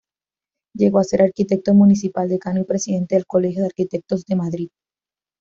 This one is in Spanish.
Llegó a ser arquitecto municipal, decano y presidente del colegio de arquitectos de Madrid.